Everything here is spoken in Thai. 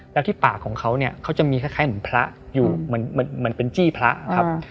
แล้วที่ปากของเขาเนี่ยเขาจะมีคล้ายเหมือนพระอยู่เหมือนเป็นจี้พระครับ